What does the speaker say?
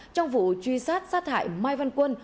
trong vụ truy sát sát hại mai văn quân